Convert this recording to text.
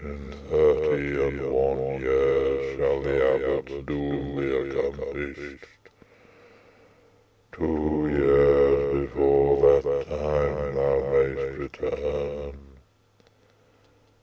In thirty and one years shall the abbot's doom be accomplished. Two years before that time thou mayst return.